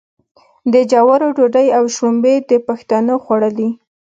د جوارو ډوډۍ او شړومبې د پښتنو خواړه دي.